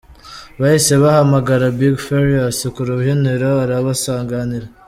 Bahise bahamagara 'Big Farious' ku rubyiniro arabasanganira.